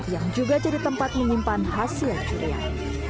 yang juga jadi tempat menyimpan hasil curian